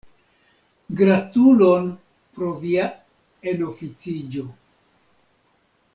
Gratulon pro via enoficiĝo.